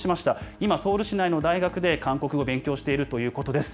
今、ソウル市内の大学で韓国語を勉強しているということです。